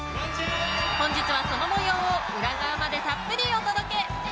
本日は、その模様を裏側までたっぷりお届け。